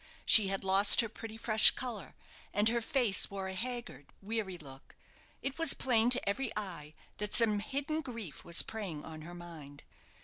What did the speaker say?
She had lost her pretty fresh colour, and her face wore a haggard, weary look; it was plain to every eye that some hidden grief was preying on her mind.